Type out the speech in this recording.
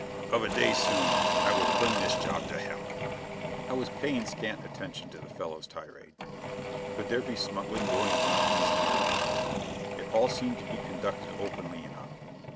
"Of a day soon I will fling this job to hell "I was paying scant attention to the fellow's tirade. Could there be smuggling going on from this mine? It all seemed to be conducted openly enough.